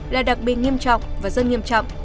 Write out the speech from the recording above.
là đặc biệt nghiêm trọng và rất nghiêm trọng